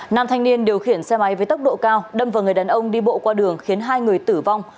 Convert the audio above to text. nam thanh niên điều khiển xe máy với tốc độ cao đâm vào người đàn ông đi bộ qua đường khiến hai người tử vong